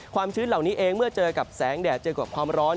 ชื้นเหล่านี้เองเมื่อเจอกับแสงแดดเจอกับความร้อน